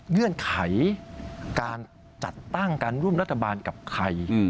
เงื่อนไขการจัดตั้งการร่วมรัฐบาลกับใคร